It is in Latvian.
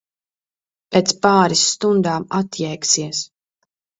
Pēc pāris stundām atjēgsies.